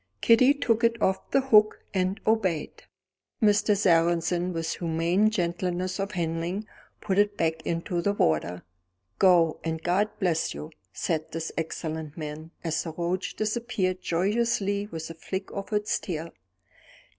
Kitty took it off the hook, and obeyed. Mr. Sarrazin with humane gentleness of handling put it back into the water. "Go, and God bless you," said this excellent man, as the roach disappeared joyously with a flick of its tail.